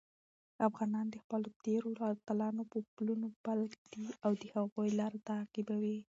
افغانان د خپلو تېرو اتلانو په پلونو پل ږدي او د هغوی لاره تعقیبوي.